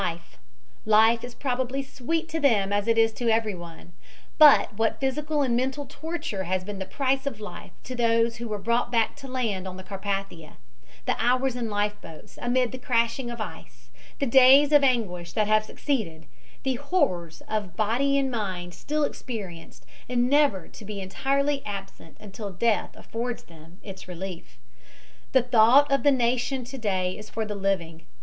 Life is probably sweet to them as it is to everyone, but what physical and mental torture has been the price of life to those who were brought back to land on the Carpathia the hours in life boats, amid the crashing of ice, the days of anguish that have succeeded, the horrors of body and mind still experienced and never to be entirely absent until death affords them its relief. The thought of the nation to day is for the living.